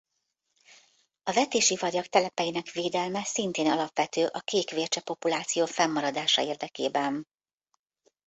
A vetési varjak telepeinek védelme szintén alapvető a kék vércse populáció fennmaradása érdekében.